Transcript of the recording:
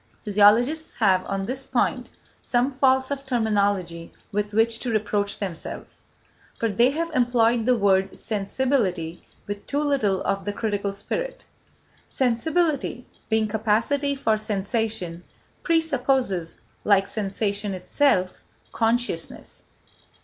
Physiologists have, on this point, some faults of terminology with which to reproach themselves: for they have employed the word sensibility with too little of the critical spirit. Sensibility, being capacity for sensation, presupposes, like sensation itself, consciousness.